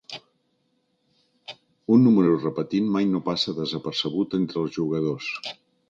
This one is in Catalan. Un número repetit mai no passa desapercebut entre els jugadors.